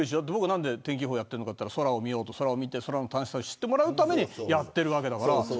なんで天気予報やってるのかと言ったら空を見て、空の楽しさを知ってもらうためにやっているわけだから。